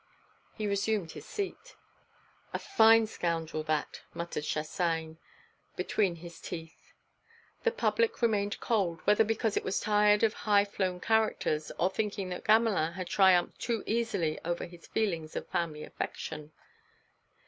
He resumed his seat. "A fine scoundrel that," muttered Chassagne between his teeth. The public remained cold, whether because it was tired of high flown characters, or thinking that Gamelin had triumphed too easily over his feelings of family affection.